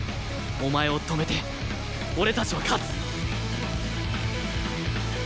お前を止めて俺たちは勝つ！